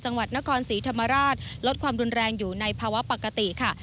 จังหวัดนครศรีธรรมราชลดความรุนแรงอยู่ในภาวะปกติค่ะ